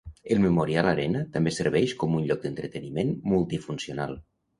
El Memorial Arena també serveix com un lloc d'entreteniment multifuncional.